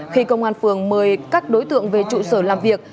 khi công an phường mời các đối tượng về trụ sở làm việc